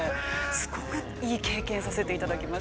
すごくいい経験をさせていただきました。